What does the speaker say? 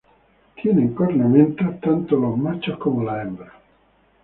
Tanto los machos y las hembras tienen cornamentas.